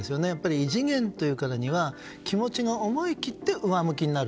異次元というからには気持ちが思い切って上向きになる。